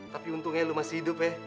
tapi untungnya lu masih hidup ya